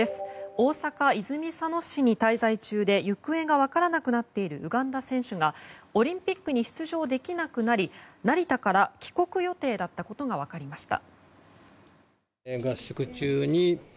大阪・泉佐野市に滞在中で行方が分からなくなっているウガンダ選手がオリンピックに出場できなくなり成田から帰国予定だったことが分かりました。